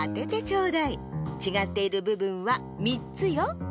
ちがっているぶぶんは３つよ。